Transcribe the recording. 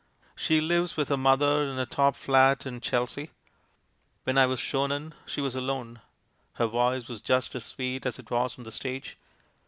"She lives with her mother in a top flat in Chel sea. When I was shown in, she was alone. Her voice was just as sweet as it was on the stage.